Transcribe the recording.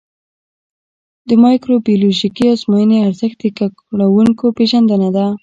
د مایکروبیولوژیکي ازموینې ارزښت د ککړونکو پېژندنه ده.